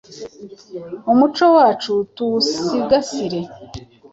Umuco wacu tuwusigasire